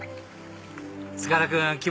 塚田君気